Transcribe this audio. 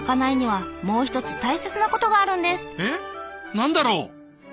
何だろう？